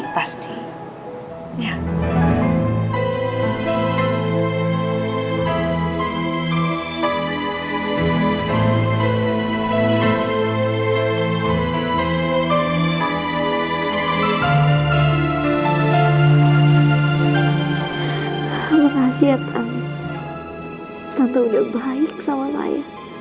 tante udah baik sama saya